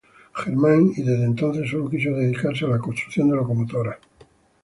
Germain, y desde entonces solo quiso dedicarse a la construcción de locomotoras.